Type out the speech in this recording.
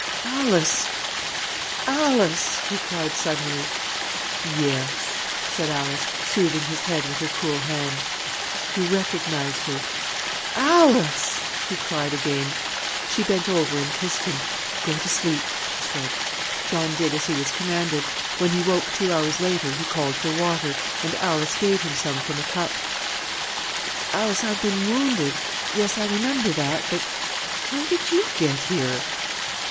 "Alice, Alice!" he cried suddenly. "Yes," said Alice, soothing his head with her cool hand. He recognized her. "Alice!" he cried again. She bent over and kissed him. "Go to sleep," she said. John did as he was commanded. When he woke two hours later he called for water, and Alice gave him some from a cup. "Alice, I've been wounded; yes, I remember that but how did you get here?"